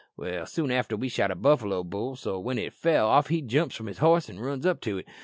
Well, soon after we shot a buffalo bull, so when it fell, off he jumps from his horse an' runs up to it.